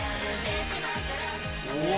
「うわ！」